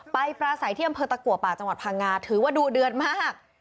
ปลาใสที่อำเภอตะกัวป่าจังหวัดพังงาถือว่าดูเดือดมาก